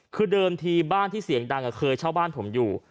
คือเดิมทีบ้านที่เสียงดังเคยเช่าบ้านผมอยู่